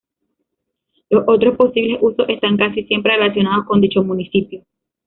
Los otros posibles usos están casi siempre relacionados con dicho municipio.